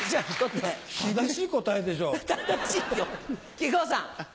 木久扇さん。